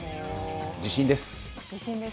自信です。